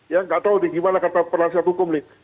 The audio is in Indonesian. ya nggak tahu nih gimana kata penasihat hukum nih